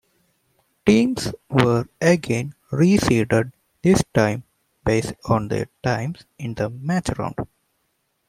Teams were again re-seeded, this time based on their times in the match round.